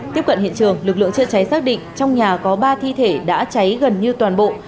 tiếp cận hiện trường lực lượng chữa cháy xác định trong nhà có ba thi thể đã cháy gần như toàn bộ